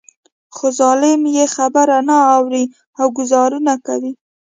خو ظالم يې خبره نه اوري او ګوزارونه کوي.